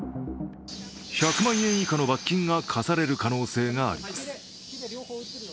１００万円以下の罰金が科される可能性があります。